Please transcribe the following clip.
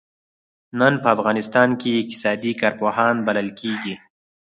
نن په افغانستان کې اقتصادي کارپوهان بلل کېږي.